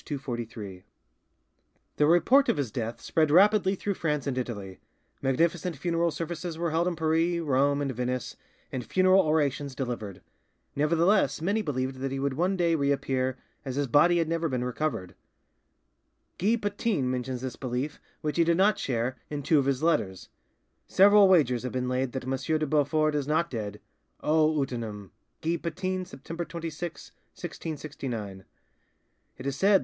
P. 243) The report of his death spread rapidly through France and Italy; magnificent funeral services were held in Paris, Rome, and Venice, and funeral orations delivered. Nevertheless, many believed that he would one day reappear, as his body had never been recovered. Guy Patin mentions this belief, which he did not share, in two of his letters:— "Several wagers have been laid that M. de Beaufort is not dead! 'O utinam'!" (Guy Patin, September 26, 1669). "It is said that M.